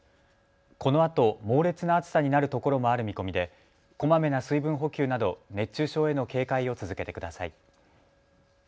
このあと猛烈な暑さになるところもある見込みでこまめな水分補給など熱中症への警戒を続けてください。